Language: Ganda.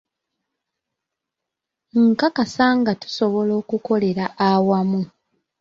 Nkakasa nga tusobola okukolera awamu.